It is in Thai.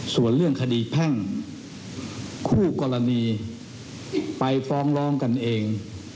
ส่วนเรื่องคดีแพ่งคู่กรณีไปฟ้องร้องกันเอง